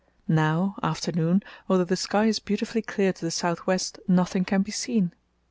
Now (afternoon), although the sky is beautifully clear to the south west, nothing can be seen.